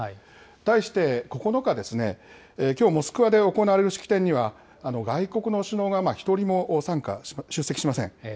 対して９日、きょう、モスクワで行われる式典には、外国の首脳が１人も参加、出席しません。